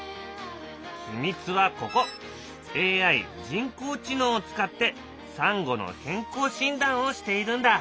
ＡＩ人工知能を使ってサンゴの健康診断をしているんだ。